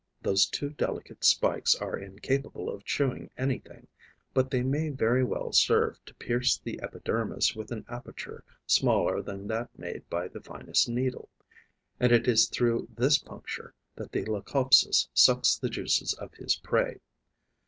Those two delicate spikes are incapable of chewing anything, but they may very well serve to pierce the epidermis with an aperture smaller than that made by the finest needle; and it is through this puncture that the Leucopsis sucks the juices of his prey.